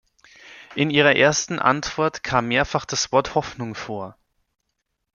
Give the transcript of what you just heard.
In Ihrer ersten Antwort kam mehrfach das Wort "Hoffnung" vor.